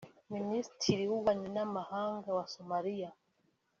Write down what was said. Minisitiri w’Ububanyi n’Amahanga wa Somaliya